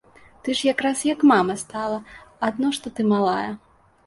Ты ж якраз, як мама, стала, адно што ты малая.